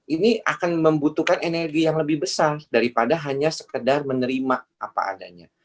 ini akan membutuhkan energi yang lebih besar daripada hanya sekedar menerima apa adanya